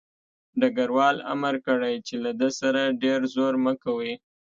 ډګروال امر کړی چې له ده سره ډېر زور مه کوئ